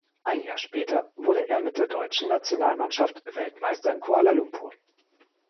Ein Jahr später wurde er mit der deutschen Nationalmannschaft Weltmeister in Kuala Lumpur.